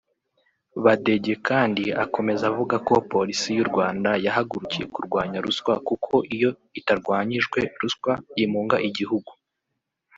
Badege kandi akomeza avuga ko Polisi y’u Rwanda yahagurukiye kurwanya ruswa kuko iyo itarwanyijwe (ruswa) imunga igihugu